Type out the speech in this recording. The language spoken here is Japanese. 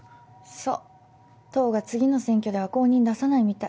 そう党が次の選挙では公認出さないみたい。